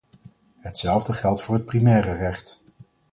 Hetzelfde geldt voor het primaire recht.